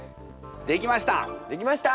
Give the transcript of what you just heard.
できました！